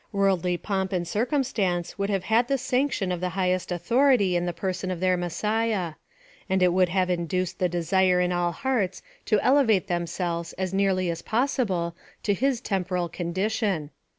Worldly pomp and circumstance would have had the sanction of the highest authority in the person of their Messiah ; and it would have in duced the desire in all hearts to elevate themselves as nearly as possible to his temporal condition.